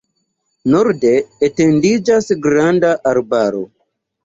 Norde etendiĝas granda arbaro.